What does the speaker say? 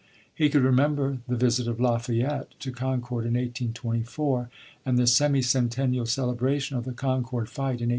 He could remember the visit of Lafayette to Concord in 1824, and the semi centennial celebration of the Concord Fight in 1825.